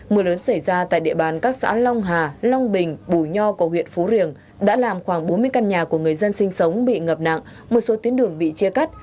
mưa lớn xảy ra tại địa bàn các xã long hà long bình bùi nho của huyện phú riềng đã làm khoảng bốn mươi căn nhà của người dân sinh sống bị ngập nặng một số tuyến đường bị chia cắt